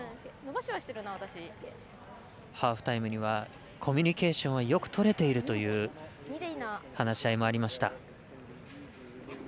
ハーフタイムにはコミュニケーションをよくとれているという話し合いもありました。